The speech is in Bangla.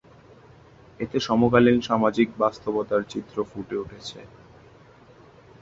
এতে সমকালীন সামাজিক বাস্তবতার চিত্র ফুটে উঠেছে।